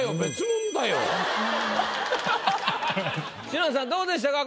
篠田さんどうでしたか？